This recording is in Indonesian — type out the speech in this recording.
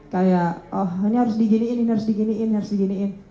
kayak oh ini harus diginiin ini harus diginiin harus diginiin